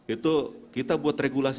itu kita buat regulasi